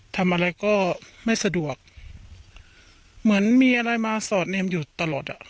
ทำอะไรก็ไม่สะดวกเหมือนมีอะไรมาสอดเนมอยู่ตลอดอ่ะ